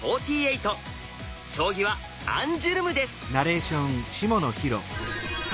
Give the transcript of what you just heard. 将棋はアンジュルムです。